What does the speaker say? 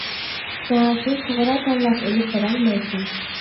شۇڭا سىز توغرا تاللاش ئېلىپ بارالمايسىز.